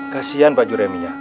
kasihan pak jureminya